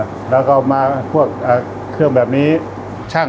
สวัสดีครับผมชื่อสามารถชานุบาลชื่อเล่นว่าขิงถ่ายหนังสุ่นแห่ง